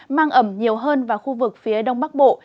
mang ẩm nhiều hơn vào khu vực phía đông bắc bộ